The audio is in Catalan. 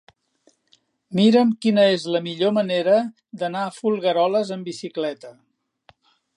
Mira'm quina és la millor manera d'anar a Folgueroles amb bicicleta.